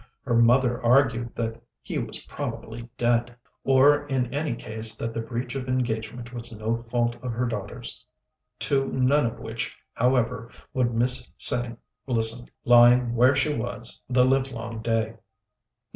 Her mother argued that he was probably dead, or in any case that the breach of engagement was no fault of her daughter's; to none of which, however, would Miss Tsêng listen, lying where she was the livelong day.